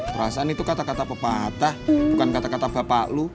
perasaan itu kata kata pepatah bukan kata kata bapak lu